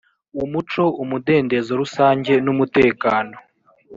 umuco umudendezo rusange n umutekano